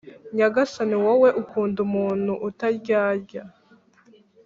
Nyagasani wowe ukunda umuntu utaryarya